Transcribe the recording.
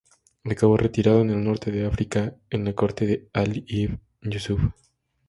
Acabó retirado en el norte de África, en la corte de Alí ibn Yúsuf.